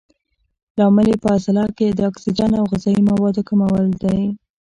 لامل یې په عضله کې د اکسیجن او غذایي موادو کموالی دی.